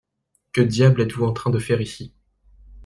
Que diable êtes-vous en train de faire ici ?